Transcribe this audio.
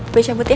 gue cabut ya